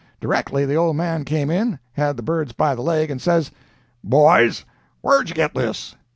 Directly the old man came in—had the bird by the leg and says: "'Boys, where'd you get this?'